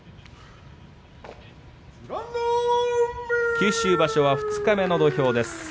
九州場所は二日目の土俵です。